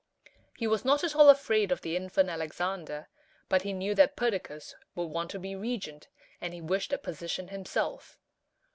He was not at all afraid of the infant Alexander, but he knew that Perdiccas would want to be regent, and he wished that position himself.